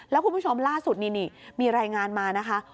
และล่าสุดมีรายงานมานะคะ